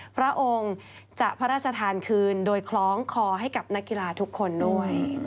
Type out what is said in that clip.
พระองค์จะพระราชทานคืนโดยคล้องคอให้กับนักกีฬาทุกคนด้วย